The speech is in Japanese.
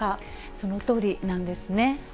そのとおりなんですね。